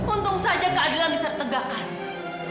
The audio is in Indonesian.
untung saja keadilan bisa ditegakkan